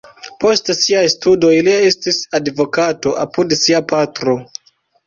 Post siaj studoj li estis advokato apud sia patro.